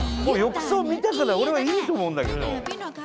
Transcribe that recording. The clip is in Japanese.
もう浴槽見たから俺はいいと思うんだけど。